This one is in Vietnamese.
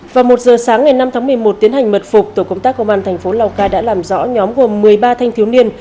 vào một giờ sáng ngày năm tháng một mươi một tiến hành mật phục tổ công tác công an thành phố lào cai đã làm rõ nhóm gồm một mươi ba thanh thiếu niên